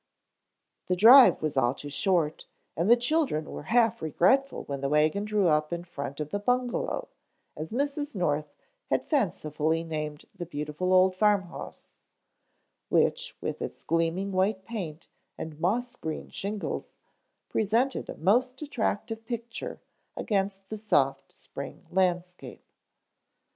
The drive was all too short and the children were half regretful when the wagon drew up in front of the "Bungalow," as Mrs. North had fancifully named the beautiful old farm house, which, with its gleaming white paint and moss green shingles, presented a most attractive picture against the soft spring landscape.